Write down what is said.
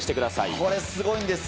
これ、すごいんですよ。